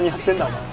お前。